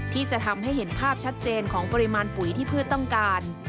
ที่จะทำให้เห็นภาพชัดเจนของปริมาณปุ๋ยที่พืชต้องการ